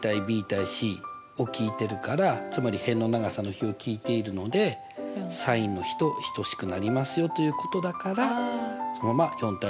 ｂ：ｃを聞いてるからつまり辺の長さの比を聞いているのでｓｉｎの比と等しくなりますよということだからそのまま４：５：６が使えましたと。